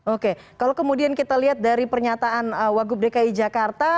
oke kalau kemudian kita lihat dari pernyataan wagub dki jakarta